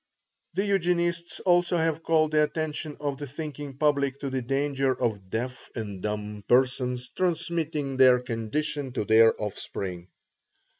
The Eugenists also have called the attention of the thinking public to the danger of deaf and dumb persons transmitting their condition to their offspring.